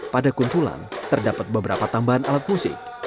pada kumpulan terdapat beberapa tambahan alat musik